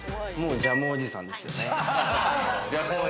ジャムおじさんですよね。